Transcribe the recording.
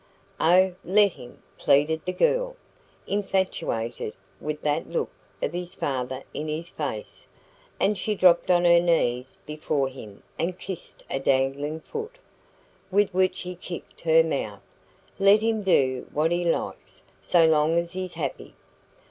"Oh, let him," pleaded the girl, infatuated with that look of his father in his face; and she dropped on her knees before him and kissed a dangling foot, with which he kicked her mouth. "Let him do what he likes, so long as he's happy."